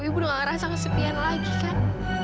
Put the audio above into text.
ibu gak rasa kesepian lagi kan